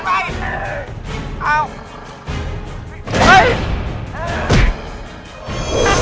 กีศว่าพวกมึงคล่องขทาก่อนอ่ะ